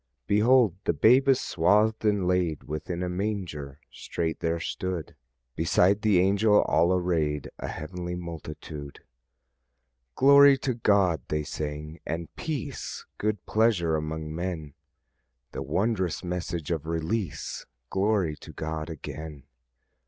"Behold the babe is swathed, and laid Within a manger." Straight there stood Beside the angel all arrayed A heavenly multitude. "Glory to God," they sang; "and peace, Good pleasure among men." The wondrous message of release! Glory to God again!